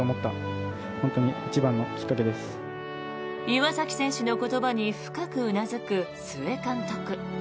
岩崎選手の言葉に深くうなずく須江監督。